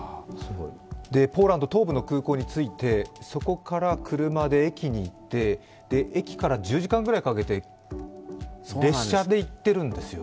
ポーランド東部の空港に着いて、そこから車で駅に行って駅から１０時間ぐらいかけて列車で行っているんですよね。